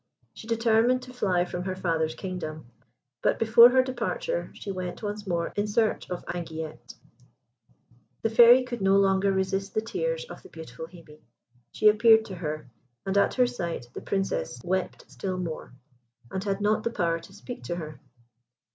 She determined to fly from her father's kingdom; but, before her departure, she went once more in search of Anguillette. The Fairy could no longer resist the tears of the beautiful Hebe. She appeared to her, and at her sight the Princess wept still more, and had not the power to speak to her.